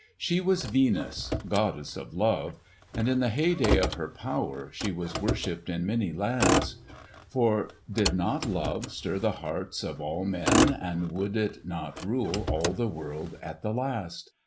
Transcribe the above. She was Venus, goddess of Love, and in the heyday of her power she was worshipped in many lands. For did not Love stir the hearts of all men, and would it not rule all the world at the last?